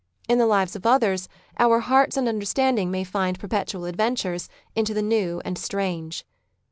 In the lives of others our hearts and understanding may find per petual adventures into the new and strange.